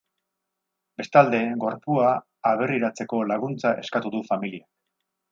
Bestalde, gorpua aberriratzeko laguntza eskatu du familiak.